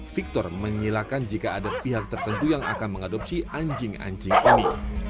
victor menyilakan jika ada pihak tertentu yang akan mengadopsi anjing anjing ini